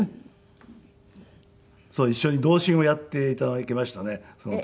一緒に同心をやって頂きましたねその時に。